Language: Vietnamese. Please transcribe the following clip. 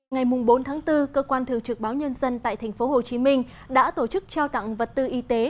ngày bốn tháng bốn cơ quan thường trực báo nhân dân tại tp hcm đã tổ chức trao tặng vật tư y tế